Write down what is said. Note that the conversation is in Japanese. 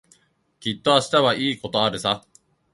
きっと明日はいいことあるさ。